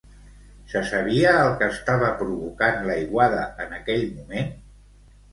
Se sabia el que estava provocant l'aiguada en aquell moment?